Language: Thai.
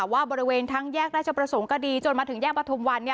ว่าบริเวณทั้งแยกราชประสงค์ก็ดีจนมาถึงแยกประทุมวัน